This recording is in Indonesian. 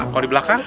kalau di belakang